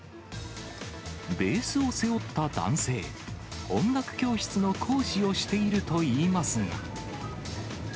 ベースを背負った男性、音楽教室の講師をしているといいますが。